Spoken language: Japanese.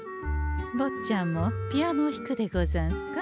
ぼっちゃんもピアノを弾くでござんすか？